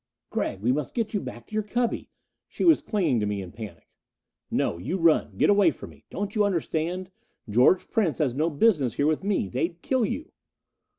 "Gregg, we must get you back to your cubby!" She was clinging to me in a panic. "No! You run! Get away from me! Don't you understand? George Prince has no business here with me! They'd kill you!"